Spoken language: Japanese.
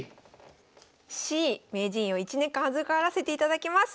「名人位を１年間預からせていただきます」。